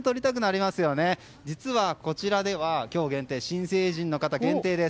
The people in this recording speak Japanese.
実は、こちらでは今日、新成人の方限定です。